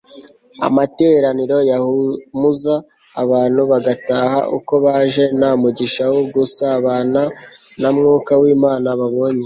amateraniro yahumuza, abantu bagataha uko baje nta mugisha wo gusabana na mwuka w'imana babonye.